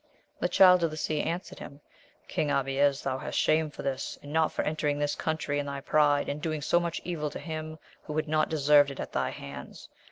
The Child of the Sea answered him. King Abies, thou hast shame for this, and not for entering this country in thy pride, and doing so much evil to him who had not de served it at thy hands